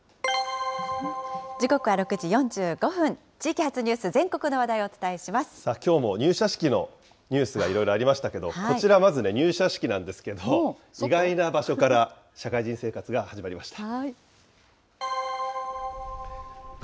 時刻は６時４５分、地域発ニュース、全国の話題をお伝えしまきょうも入社式のニュースがいろいろありましたけど、こちら、まず、入社式なんですけれども、意外な場所から社会人生活が始まりました。